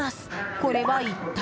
これは一体？